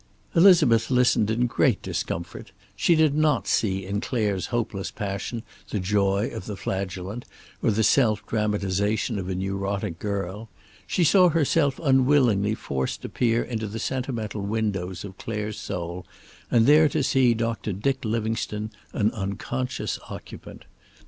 Elizabeth listened in great discomfort. She did not see in Clare's hopeless passion the joy of the flagellant, or the self dramatization of a neurotic girl. She saw herself unwillingly forced to peer into the sentimental windows of Clare's soul, and there to see Doctor Dick Livingstone, an unconscious occupant.